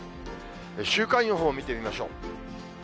週間予報を見てみましょう。